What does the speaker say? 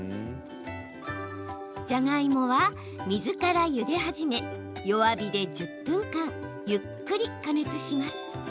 じゃがいもは水からゆで始め弱火で１０分間ゆっくり加熱します。